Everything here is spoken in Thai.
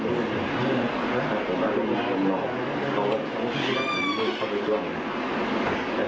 แล้วก็กำลังไปวิ่งเขาออกเพราะว่าเขาไม่ได้กำลังไปด้วยเขาไปจ้อง